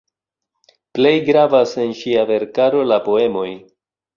Plej gravas en ŝia verkaro la poemoj.